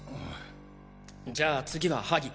じゃあ次はハギ。